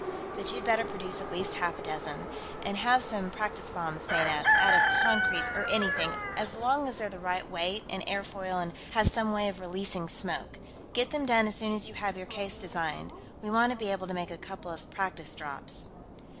But you'd better produce at least half a dozen. And have some practice bombs made up, out of concrete or anything, as long as they're the right weight and airfoil and have some way of releasing smoke. Get them done as soon as you have your case designed. We want to be able to make a couple of practice drops."